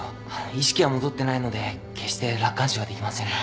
意識は戻ってないので決して楽観視はできませんが。